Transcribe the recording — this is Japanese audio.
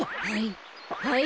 はい。